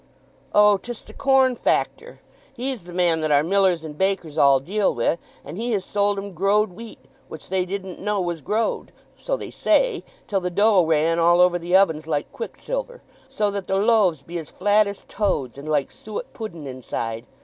"Oh, 'tis the corn factor—he's the man that our millers and bakers all deal wi', and he has sold 'em growed wheat, which they didn't know was growed, so they say, till the dough ran all over the ovens like quicksilver; so that the loaves be as flat as toads, and like suet pudden inside.